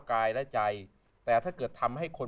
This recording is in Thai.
กายและใจแต่ถ้าเกิดทำให้คน